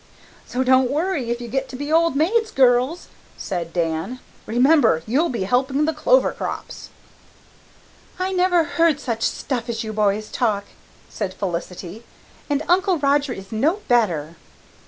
"So don't worry if you do get to be old maids, girls," said Dan. "Remember, you'll be helping the clover crops." "I never heard such stuff as you boys talk," said Felicity, "and Uncle Roger is no better."